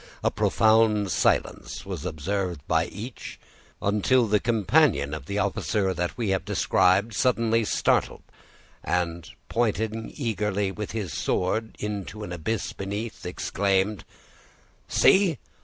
A profound silence was observed by each, until the companion of the officer that we have described suddenly started, and pointing eagerly with his sword into the abyss beneath, exclaimed,— "See!